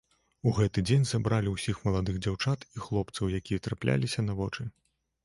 У гэты дзень забралі ўсіх маладых дзяўчат і хлопцаў, якія трапляліся на вочы.